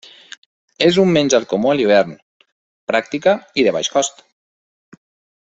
És un menjar comú a l'hivern, pràctica i de baix cost.